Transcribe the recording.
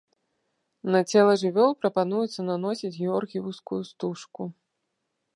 На цела жывёл прапануецца наносіць георгіеўскую стужку.